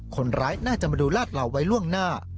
คนร้ายน่าจะมาดูลาดเหล่าไว้ล่วงหน้า